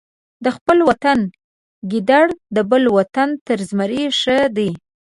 د خپل وطن ګیدړ د بل وطن تر زمري ښه دی.